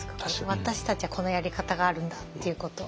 私たちはこのやり方があるんだっていうことを。